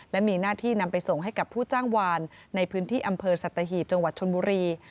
และมีหน้าที่นำไปส่งให้กับผู้จ้างวานในพื้นที่อำเภอสัตหีบจังหวัดชนบุรี